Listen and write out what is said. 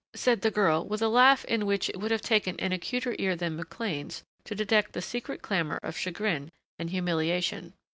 said the girl with a laugh in which it would have taken an acuter ear than McLean's to detect the secret clamor of chagrin and humiliation.